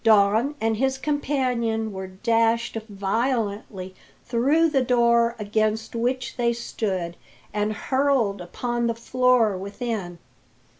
Don and his companion were dashed violently through the door against which they stood, and hurled upon the floor within.